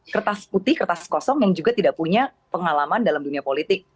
kertas putih kertas kosong yang juga tidak punya pengalaman dalam dunia politik